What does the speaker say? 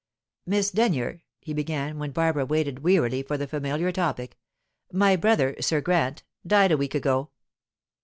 "Miss Denyer," he began, when Barbara waited wearily for the familiar topic, "my brother, Sir Grant, died a week ago."